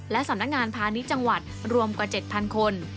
และสำนักงานพาณิชย์จังหวัดรวมกว่า๗๐๐คน